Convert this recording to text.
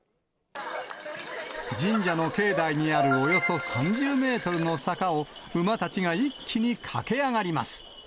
神社の境内にあるおよそ３０メートルの坂を馬たちが一気に駆け上がります。